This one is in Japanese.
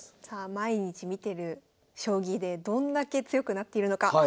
さあ毎日見てる将棋でどんだけ強くなっているのか。